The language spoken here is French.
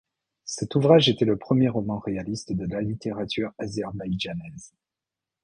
Cet ouvrage était le premier roman réaliste de la littérature azerbaïdjanaise.